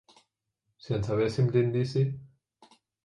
Si en sabéssim l'indici...